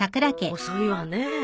遅いわね。